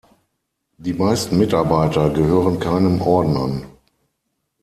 Die meisten Mitarbeiter gehören keinem Orden an.